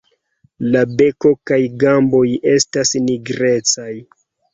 La beko kaj gamboj estas nigrecaj.